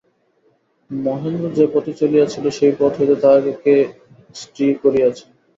মহেন্দ্র যে পথে চলিয়াছিল সে পথ হইতে তাহাকে কে ষ্টি করিয়াছে।